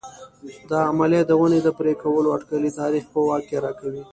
دا عملیه د ونې د پرې کولو اټکلي تاریخ په واک کې راکوي